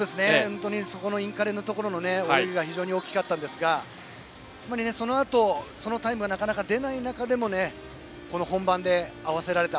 そこのインカレのところの泳ぎが非常に大きかったですがそのあと、そのタイムがなかなか出ない中でもこの本番で合わせられた。